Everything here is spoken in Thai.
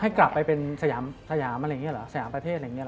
ให้กลับไปเป็นสยามประเทศอะไรอย่างนี้หรือ